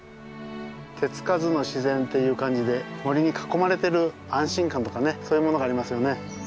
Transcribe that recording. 手付かずの自然っていう感じで森に囲まれてる安心感とかねそういうものがありますよね。